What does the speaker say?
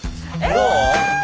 どう？